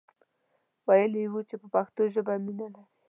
ویلی وو چې په پښتو ژبه مینه لري.